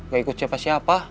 gak ikut siapa siapa